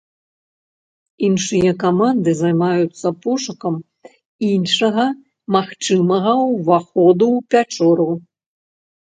Іншыя каманды займаюцца пошукам іншага магчымага ўваходу ў пячору.